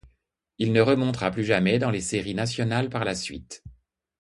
Il ne remontera plus jamais dans les séries nationales par la suite.